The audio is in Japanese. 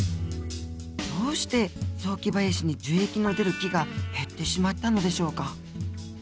どうして雑木林に樹液の出る木が減ってしまったのでしょうか？